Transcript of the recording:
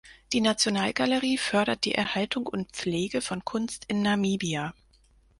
Die Nationalgalerie fördert die Erhaltung und Pflege von Kunst in Namibia.